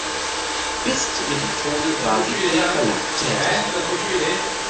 Bis zu ihrem Tode war sie für den Verlag tätig.